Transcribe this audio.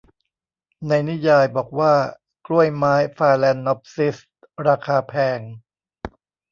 ในนิยายบอกว่ากล้วยไม้ฟาแลนนอปซิสราคาแพง